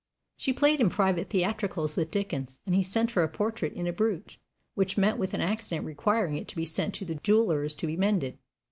She played in private theatricals with Dickens, and he sent her a portrait in a brooch, which met with an accident requiring it to be sent to the jeweler's to be mended.